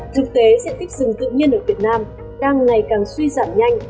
thực tế diện tích rừng tự nhiên ở việt nam đang ngày càng suy giảm nhanh